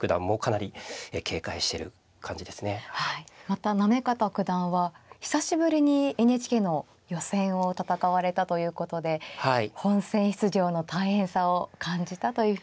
また行方九段は久しぶりにＮＨＫの予選を戦われたということで本戦出場の大変さを感じたというふうにもおっしゃってました。